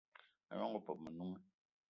A gnong opeup o Menunga